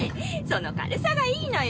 その軽さがいいのよ。